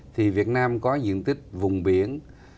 thì việt nam có diện tích vùng biển